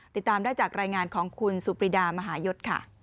ติดตามได้จากรายงานของคุณสุปรีดามหายศค่ะ